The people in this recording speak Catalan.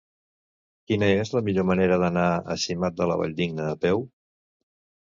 Quina és la millor manera d'anar a Simat de la Valldigna a peu?